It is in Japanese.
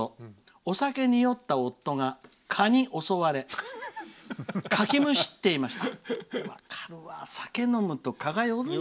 お酒に酔った夫が、蚊に襲われかきむしっていました」。